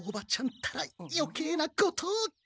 ったら余計なことを。